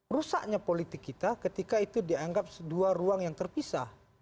rusaknya politik kita ketika itu dianggap dua ruang yang terpisah